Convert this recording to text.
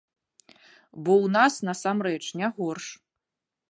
Бо ў нас насамрэч не горш.